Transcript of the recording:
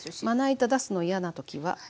まな板出すの嫌な時は。